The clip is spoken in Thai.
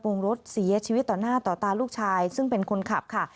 งรถเสียชีวิตต่อหน้าต่อตาลูกชายซึ่งเป็นคนขับค่ะ